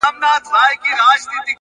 پرمختګ د کوچنیو بریاوو ټولګه ده.!